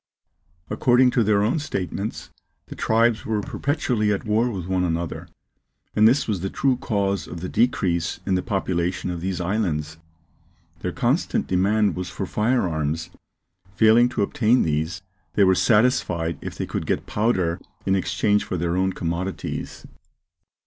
According to their own statements, the tribes were perpetually at war with one another, and this was the true cause of the decrease in the population of these islands. Their constant demand was for fire arms; failing to obtain these, they were satisfied if they could get powder in exchange for their own commodities.